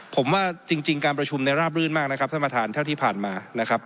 ผมว่าจริงการประชุมในราบรื่นมากนะครับท่านประธานเท่าที่ผ่านมานะครับ